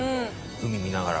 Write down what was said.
海見ながら。